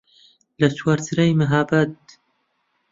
لە چوارچرای مەهاباد